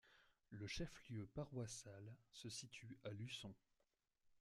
Le chef-lieu paroissial se situe à Luçon.